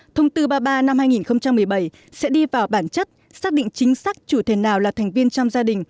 thông tư ba mươi ba năm hai nghìn một mươi bảy sẽ đi vào bản chất xác định chính xác chủ thể nào là thành viên trong gia đình